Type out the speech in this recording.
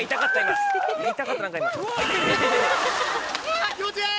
あぁ気持ちいい！